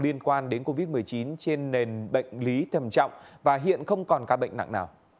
liên quan đến covid một mươi chín trên nền bệnh lý thầm trọng và hiện không còn ca bệnh nặng nào